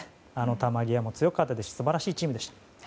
球際も強かったし素晴らしいチームでした。